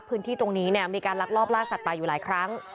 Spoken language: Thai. พื้นที่ตรงนี้เนี่ยมีการลักลอบล่าสัตว์ป่าอยู่หลายครั้ง